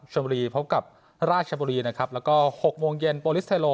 ชมบุรีพบกับราชบุรีนะครับแล้วก็๖โมงเย็นโปรลิสเทโล